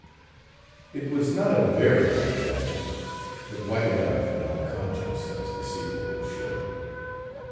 It was not a very white jacket, but white enough, in all conscience, as the sequel will show.